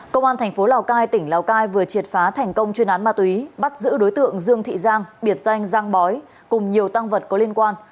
công an thành phố lào cai tỉnh lào cai vừa triệt phá thành công chuyên án ma túy bắt giữ đối tượng dương thị giang biệt danh giang bói cùng nhiều tăng vật có liên quan